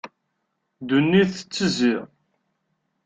Ddunit tettezzi.